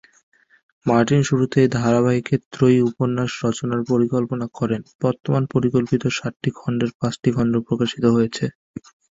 Martin শুরুতে এই ধারাবাহিকের ত্রয়ী উপন্যাস রচনার পরিকল্পনা করেন, বর্তমানে পরিকল্পিত সাতটি খণ্ডের পাঁচটি খণ্ড প্রকাশিত হয়েছে।